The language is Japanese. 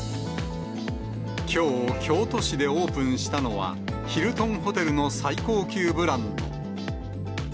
きょう、京都市でオープンしたのは、ヒルトンホテルの最高級ブランド。